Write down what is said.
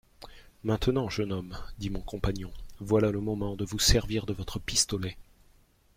Maintenant, jeune homme, dit mon compagnon, voilà le moment de vous servir de votre pistolet.